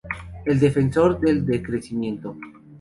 Es defensor del decrecimiento.